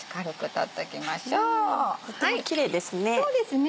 とってもキレイですね。